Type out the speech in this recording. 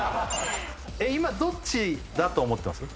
今どっちだと思ってます？